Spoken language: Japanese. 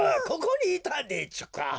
ここにいたんでちゅか？